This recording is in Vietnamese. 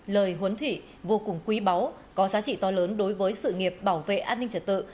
lời huấn thị vô cùng quý báu có giá trị to lớn đối với sự nghiệp bảo vệ an ninh trật tự